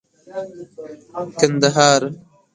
کندهار